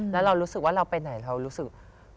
แล้วเรารู้สึกว่าเราไปไหนเรารู้สึก